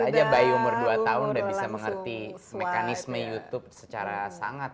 aja bayi umur dua tahun udah bisa mengerti mekanisme youtube secara sangat